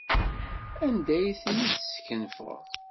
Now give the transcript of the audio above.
Anda ay ten-id-teskenfeḍ?